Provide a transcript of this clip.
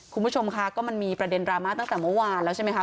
คุณผู้ชมค่ะก็มันมีประเด็นดราม่าตั้งแต่เมื่อวานแล้วใช่ไหมคะ